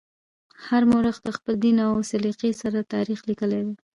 هر مورخ د خپل دین او سلیقې سره تاریخ لیکلی دی.